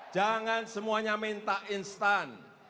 jangan semuanya minta instan